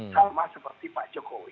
sama seperti pak jokowi